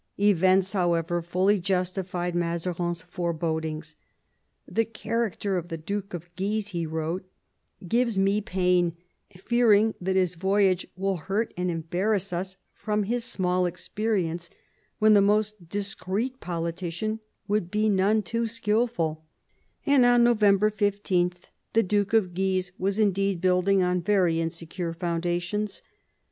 Events, however, fully justified Mazarines forebodings. "The character of the Duke of Guise," he wrote, "gives me pain, fearing that his voyage will hurt and embarrass us from his small experience, when the most discreet politician would be none too skilful" And on November 15 the Duke of Guise was indeed building on very in secure foundations.